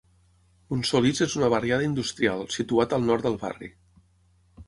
Montsolís és una barriada industrial, situat al Nord del barri.